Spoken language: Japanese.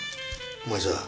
お前さ